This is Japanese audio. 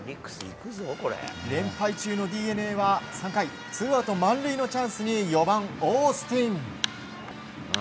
連敗中のＤｅＮＡは３回ツーアウト満塁のチャンスに４番、オースティン。